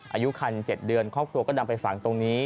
อายุคัน๗เดือนครอบครัวก็นำไปฝังตรงนี้